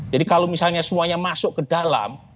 jadi kalau misalnya semuanya masuk ke dalam